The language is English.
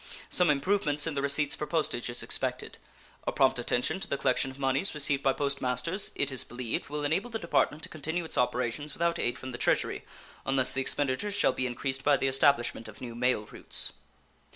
Some improvements in the receipts for postage is expected. A prompt attention to the collection of moneys received by post masters, it is believed, will enable the Department to continue its operations without aid from the Treasury, unless the expenditures shall be increased by the establishment of new mail routes.